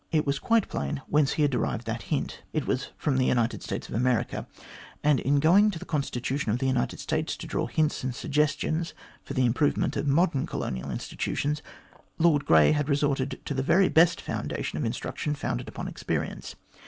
It was quite plain whence he had derived that hint. It was from the United States of America, and, in going to the constitution of the United States to draw hints and suggestions for the improvement of modern colonial institutions, Lord Grey had resorted to the very best fountain of instruction founded upon experience.